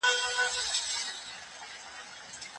خداي ته دعا وکړئ.